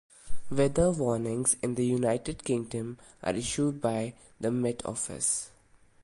Weather warnings in the United Kingdom are issued by the Met Office.